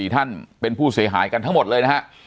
ท่านเป็นผู้เสียหายกันทั้งหมดเลยนะฮะ